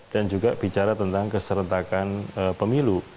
dan juga bicara tentang keserentakan pemilu